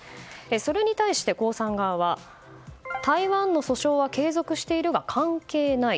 それに対して江さん側は台湾の訴訟は継続しているが関係ない。